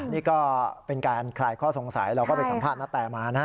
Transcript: นี่ก็เป็นการขายข้อสงสัยเราก็เป็นสัมภาษณ์ตั้งแต่มานะ